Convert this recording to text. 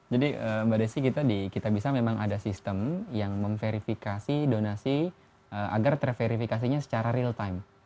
jadi mbak desi kita bisa memang ada sistem yang memverifikasi donasi agar terverifikasinya secara real time